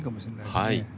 はい。